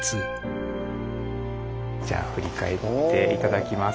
じゃあ振り返って頂きます。